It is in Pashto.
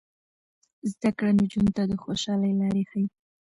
زده کړه نجونو ته د خوشحالۍ لارې ښيي.